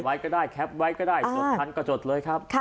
ไว้ก็ได้แคปไว้ก็ได้จดทันก็จดเลยครับ